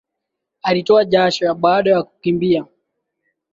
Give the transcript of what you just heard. Alitoa jasho baada ya kukimbia